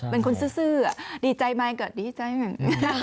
เป็นคนซื้อดีใจไหมก็ดีใจแม่ง